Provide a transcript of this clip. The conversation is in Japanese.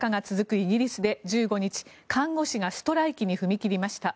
イギリスで１５日、看護師がストライキに踏み切りました。